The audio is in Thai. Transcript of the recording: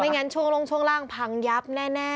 ไม่อย่างนั้นช่วงลงช่วงล่างพังยับแน่